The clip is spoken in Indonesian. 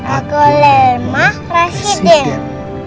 aku lemah residen